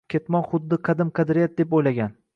Ketmoq xuddi qadim qadriyat deb o’ylagan